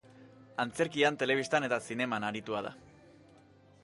Antzerkian, telebistan eta zineman aritua da.